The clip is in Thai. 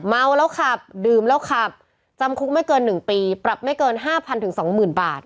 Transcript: เมาแล้วขับดื่มแล้วขับจำคุกไม่เกิน๑ปีปรับไม่เกิน๕๐๐๒๐๐๐บาท